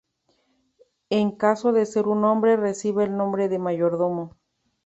En caso de ser un hombre, recibe el nombre de mayordomo.